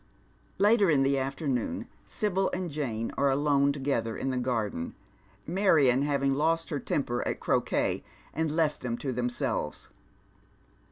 Later in the afternoon Sibyl and Jane are alone together in the garden, Marion having lost her temper at croquet, and left them to themselves.